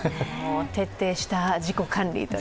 徹底した自己管理という。